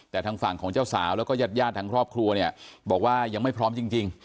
แต่ทางฝั่งของเจ้าสาวแล้วก็ญาติญาติทางครอบครัวเนี่ยบอกว่ายังไม่พร้อมจริง